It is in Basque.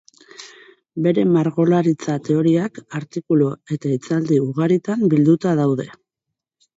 Bere margolaritza teoriak, artikulu eta hitzaldi ugaritan bilduta daude.